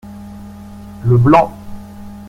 Le blanc.